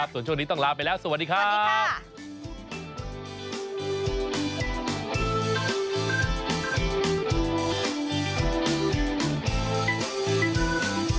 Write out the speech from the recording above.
ส่วนช่วงนี้ต้องลาไปแล้วสวัสดีครับ